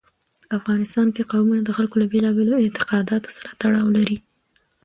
افغانستان کې قومونه د خلکو له بېلابېلو اعتقاداتو سره تړاو لري.